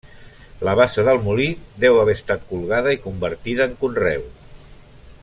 La bassa del molí deu haver estat colgada i convertida en conreu.